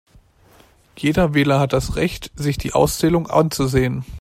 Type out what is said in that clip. Jeder Wähler hat das Recht, sich die Auszählung anzusehen.